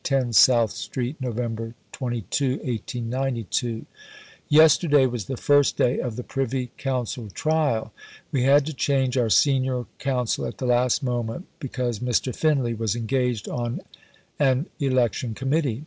_) 10 SOUTH STREET, Nov. 22 . Yesterday was the first day of the Privy Council Trial. We had to change our senior counsel at the last moment, because Mr. Finlay was engaged on an Election Committee.